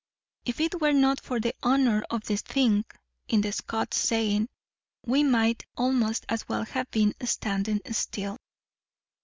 If it were not for the honour of the thing (in the Scots saying), we might almost as well have been standing still.